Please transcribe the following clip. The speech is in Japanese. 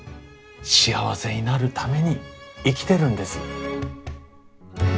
幸せになるために生きてるんです。